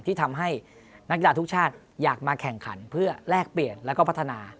ที่ทำให้นักกีฬาทุกชาติอยากมาแข่งขันเพื่อแลกเปลี่ยนแล้วก็พัฒนา